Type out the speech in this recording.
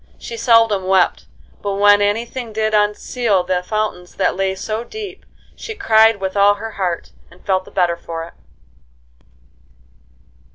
She seldom wept, but when any thing did unseal the fountains that lay so deep, she cried with all her heart, and felt the better for it.